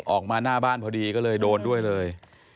ออกมาหน้าบ้านพอดีก็เลยโดนด้วยเลย